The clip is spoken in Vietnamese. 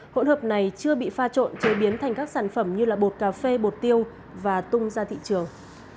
hỗn hợp này chưa bị pha trộn chế biến thành các sản phẩm như bột cà phê bột tiêu và tung ra thị trường